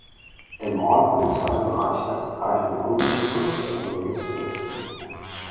Im Ort sind zwei Bereiche als archäologische Fundstätten registriert.